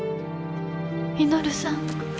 稔さん。